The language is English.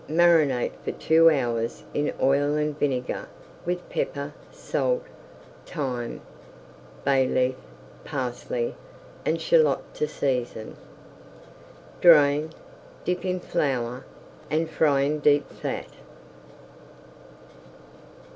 Marinate for two hours in oil and vinegar with pepper, salt, thyme, bay leaf, parsley, and shallot to season. Drain, dip in flour, and fry in deep fat.